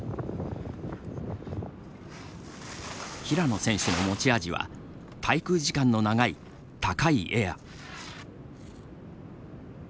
平野選手の持ち味は滞空時間の長い高いエア。